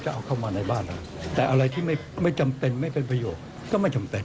อยากเอาในบ้านแต่อะไรไม่มีประโยคจะไม่จำเป็น